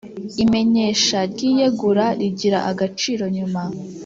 Imenyesha ry iyegura rigira agaciro nyuma